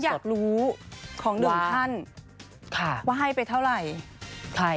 อยากรู้ของหนึ่งท่านว่าให้ไปเท่าไหร่